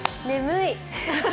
眠い。